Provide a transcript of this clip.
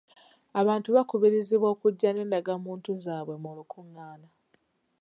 Abantu bakubirizibwa okujja n'endagamuntu zaabwe mu lukungana.